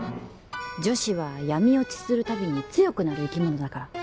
女子は闇落ちするたびに強くなる生き物だから。